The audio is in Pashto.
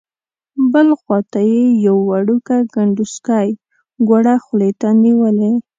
بل خوا ته یې یو وړوکی کنډوسکی ګوړه خولې ته نیولې.